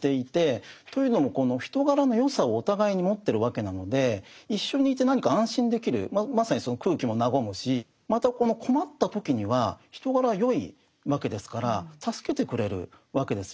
というのもこの人柄の善さをお互いに持ってるわけなので一緒にいて何か安心できるまさにその空気も和むしまたこの困った時には人柄は善いわけですから助けてくれるわけですよね。